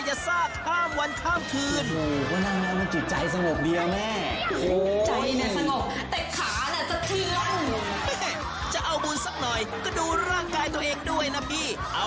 จะไม่ให้ปวดเข่าได้อย่างไรล่ะก็นั่งสมาธิทั้งคืนขนาดนี้ล่ะ